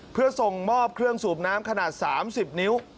เพื่อส่งมอบเครื่องสูบน้ำขนาด๓๐นิ้ว